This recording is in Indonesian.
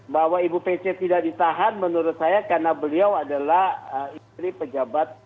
bahwa ibu pc tidak ditahan menurut saya karena beliau adalah istri pejabat